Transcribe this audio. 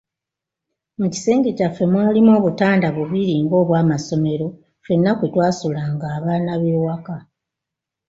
Mu kisenge kyaffe mwalimu obutanda bubiri ng'obw'amasomero ffenna kwe twasulanga abaana b'ewaka.